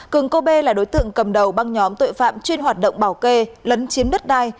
cường cô bê là đối tượng cầm đầu băng nhóm tội phạm chuyên hoạt động bảo kê lấn chiếm đất đai